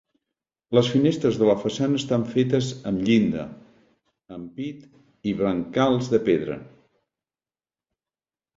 Les finestres de la façana estan fetes amb llinda, ampit i brancals de pedra.